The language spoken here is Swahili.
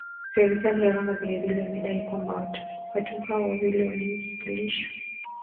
Serikali ya Rwanda vile vile imedai kwamba watu hao wawili waliasilishwa